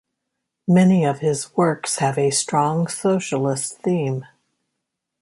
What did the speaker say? Many of his works have a strong socialist theme.